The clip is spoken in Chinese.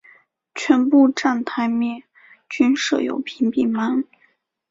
全部站台面均设有屏蔽门。